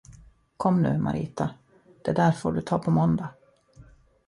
Kom nu, Marita, det där får du ta på måndag!